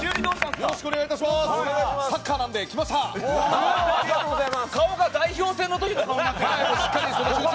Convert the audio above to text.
よろしくお願いします。